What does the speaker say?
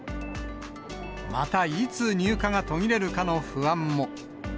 また、いつ入荷が途切れるかの不安も。